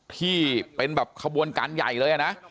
ที่เป็นแบบขบวนการใหญ่เลยนะ